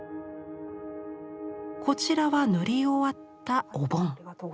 こちらは塗り終わったお盆。